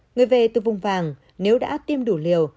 người về từ vùng vàng nếu đã tiêm đủ liều